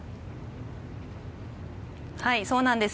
そうなんです。